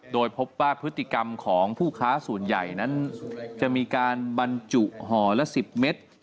โดยพบว่าพฤติกรรมของผู้ค้าส่วนใหญ่นั้นจะมีการบรรจุห่อละ๑๐เมตร